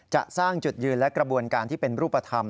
จะสร้างจุดยืนและกระบวนการที่เป็นรูปธรรม